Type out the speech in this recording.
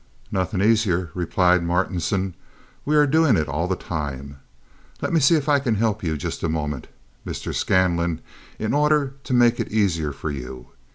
"Nothing easier," replied Martinson. "We are doing it all the time. Let me see if I can help you just a moment, Mr. Scanlon, in order to make it easier for you.